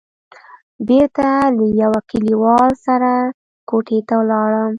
بېرته له يوه کليوال سره کوټې ته ولاړم.